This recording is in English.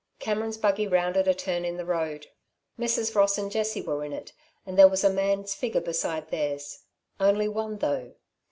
Cameron's buggy rounded a turn in the road. Mrs. Ross and Jessie were in it, and there was a man's figure beside theirs only one though.